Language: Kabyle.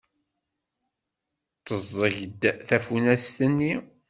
Teẓẓeg-d tafunast-nni.